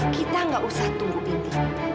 kita nggak usah tunggu bindi